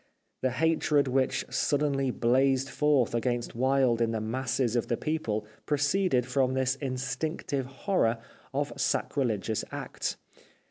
The hatred which suddenly blazed forth against Wilde in the masses of the people proceeded from this in stinctive horror of sacrilegious acts.